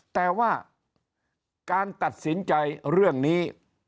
แต่ว่าการตัดสินใจเรื่องนี้